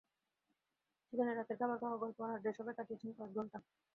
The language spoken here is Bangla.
সেখানে রাতের খাবার খাওয়া, গল্প আর আড্ডায় সবাই কাটিয়েছেন কয়েক ঘণ্টা।